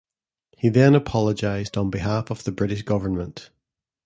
He then apologised on behalf of the British Government.